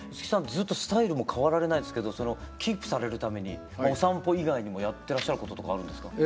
ずっとスタイルも変わられないですけどキープされるためにお散歩以外にもやってらっしゃることとかあるんですか？